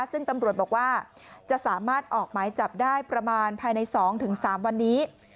ซึ่งตำรวจบอกว่าจะสามารถออกหมายจับได้ประมาณภายใน๒๓วันนี้